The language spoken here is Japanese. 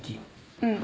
うん。